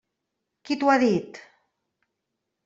Qui t'ho ha dit?